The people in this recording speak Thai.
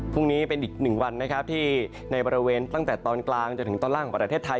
พรุ่งนี้เป็นอีกหนึ่งวันนะครับที่ในบริเวณตั้งแต่ตอนกลางจนถึงตอนล่างของประเทศไทย